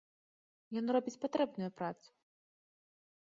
Ён робіць патрэбную працу!